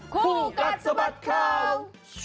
คู่กัดสะบัดข่าว